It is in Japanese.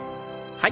はい。